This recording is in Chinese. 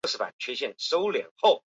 河南乡试第十五名。